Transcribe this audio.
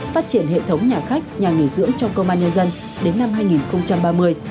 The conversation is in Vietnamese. phát triển hệ thống nhà khách nhà nghỉ dưỡng trong công an nhân dân đến năm hai nghìn ba mươi